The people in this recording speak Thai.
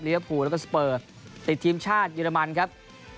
ลีเวอร์ภูแล้วก็สเปอร์ติดทีมชาติเยอรมน์ครับ